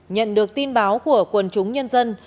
nhận được tin báo của quần chúng nhân dân